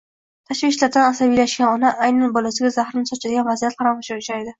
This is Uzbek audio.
Tashvishlardan asabiylashgan ona aynan bolasiga zahrini sochadigan vaziyatlar ham uchraydi